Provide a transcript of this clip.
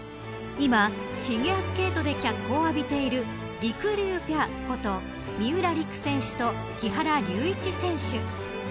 今、フィギュアスケートで脚光を浴びているりくりゅうペアこと三浦璃来選手と木原龍一選手。